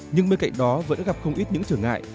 nhưng bên cạnh đó vẫn gặp không ít những trở ngại